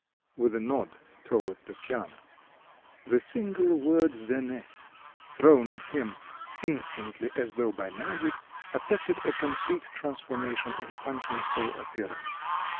with a nod towards the piano. The single word venez thrown at him, instantly, as though by magic, effected a complete transformation in Panshin's whole appearance.